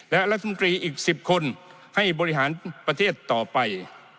และรัฐมนตรีอีก๑๐คนให้บริหารประเทศต่อไป